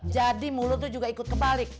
jadi mulut lo juga ikut kebalik